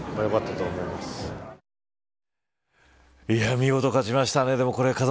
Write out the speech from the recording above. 見事勝ちましたね。